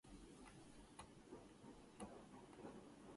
ウィスコンシン州の州都はマディソンである